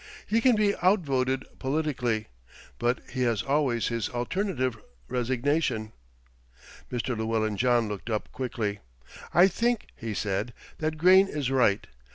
"He can be outvoted politically; but he has always his alternative, resignation." Mr. Llewellyn John looked up quickly. "I think," he said, "that Grayne is right.